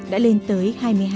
đã lên tới hai mươi hai